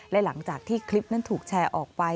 และหลังจากที่คลิปนั้นถูกแชร์ออกไป